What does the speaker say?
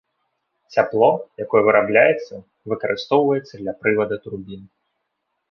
Цяпло, якое вырабляецца, выкарыстоўваецца для прывада турбін.